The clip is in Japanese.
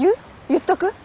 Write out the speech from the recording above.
言っとく？